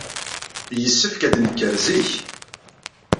Yessefk ad d-nekker zik.